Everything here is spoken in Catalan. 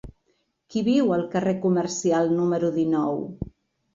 Qui viu al carrer Comercial número dinou?